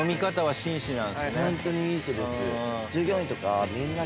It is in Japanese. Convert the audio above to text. ホントにいい人です。